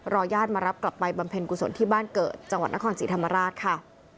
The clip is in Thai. ญาติมารับกลับไปบำเพ็ญกุศลที่บ้านเกิดจังหวัดนครศรีธรรมราชค่ะ